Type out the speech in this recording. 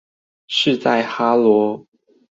是在哈囉？